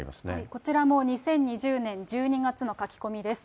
こちらも２０２０年１２月の書き込みです。